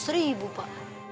lima belas ribu pak